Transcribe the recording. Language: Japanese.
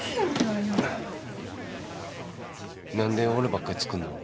何で俺ばっかり作るの？